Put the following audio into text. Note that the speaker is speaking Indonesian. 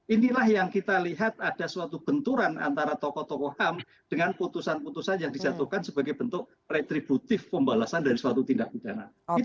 inilah yang kita lihat ada suatu benturan antara tokoh tokoh ham dengan putusan putusan yang dijatuhkan sebagai bentuk retributif pembalasan dari suatu tindak pidana